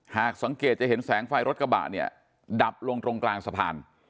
หากสังเกตจะเห็นแสงไฟรถกระบะเนี่ยดับลงตรงกลางสะพาน